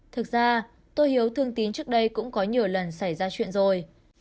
thực ra tôi hiếu thương tín trước đây cũng có nhiều lần xảy ra chuyện rồi